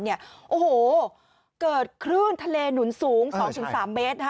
โอ้โหเกิดคลื่นทะเลหนุนสูง๒๓เมตรนะคะ